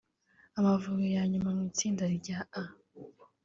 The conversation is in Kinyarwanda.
Amavubi ya nyuma mu itsinda rya A